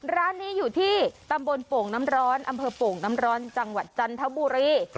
ร้านนี้อยู่ที่ตำบลโป่งน้ำร้อนอำเภอโป่งน้ำร้อนจังหวัดจันทบุรี